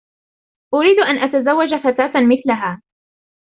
أريد أن أتزوج فتاة مثلها.